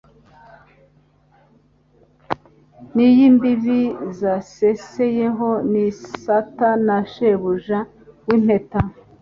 N' iy' imbibi zaseseyeho Ni isata na shebuja w' Impeta